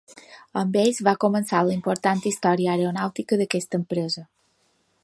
Amb ells va començar la important història aeronàutica d'aquesta empresa.